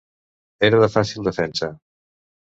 Era de fàcil defensa.